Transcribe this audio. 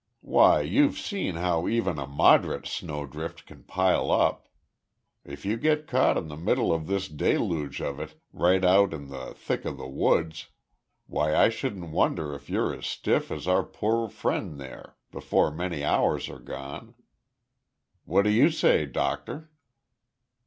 Why, you've seen how even a moderate snowdrift can pile up. If you get caught in the middle of this deluge of it, right out in the thick of the woods, why I shouldn't wonder if you're as stiff as our poor friend there, before many hours are gone. What do you say, doctor?"